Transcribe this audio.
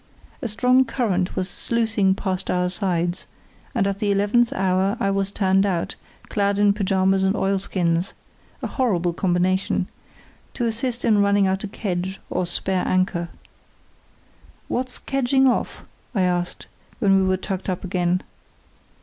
A strong current was sluicing past our sides, and at the eleventh hour I was turned out, clad in pyjamas and oilskins (a horrible combination), to assist in running out a kedge or spare anchor. "What's kedging off?" I asked, when we were tucked up again.